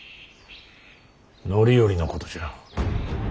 範頼のことじゃ。